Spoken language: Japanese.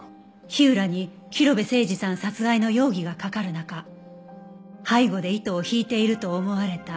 火浦に広辺誠児さん殺害の容疑がかかる中背後で糸を引いていると思われた